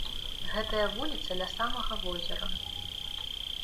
Гэтая вуліца ля самага возера.